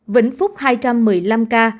vĩnh phúc hai trăm một mươi năm ca